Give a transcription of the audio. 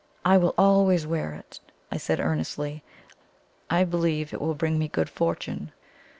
"I will always wear it," I said earnestly. "I believe it will bring me good fortune."